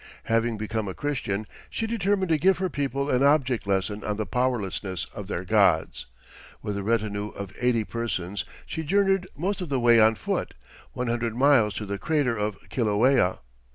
Having become a Christian, she determined to give her people an object lesson on the powerlessness of their gods. With a retinue of eighty persons she journeyed, most of the way on foot, one hundred miles to the crater of Kilauea.